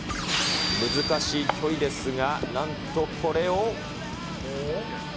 難しい距離ですが、なんとこれを。